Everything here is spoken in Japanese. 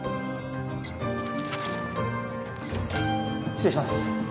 ・・失礼します。